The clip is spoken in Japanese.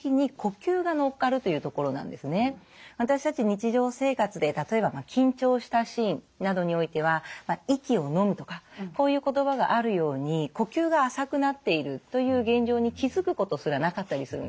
日常生活で例えば緊張したシーンなどにおいては息をのむとかこういう言葉があるように呼吸が浅くなっているという現状に気付くことすらなかったりするんです。